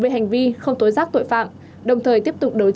về hành vi không tối giác tội phạm đồng thời tiếp tục đấu tranh mở rộng vụ án